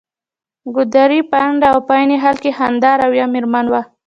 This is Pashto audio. ګردۍ، پنډه او په عین حال کې خنده رویه مېرمن وه.